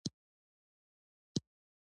کورونه او واټونه یې ښکلي او معیاري ښکارېدل.